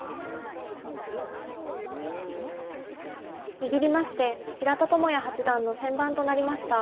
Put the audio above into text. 握りまして平田智也八段の先番となりました。